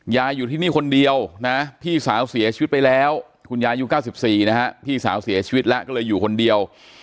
อยู่ที่นี่คนเดียวนะพี่สาวเสียชีวิตไปแล้วคุณยายุค๙๔นะฮะพี่สาวเสียชีวิตแล้วก็เลยอยู่คนเดียว